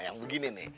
yang begini nih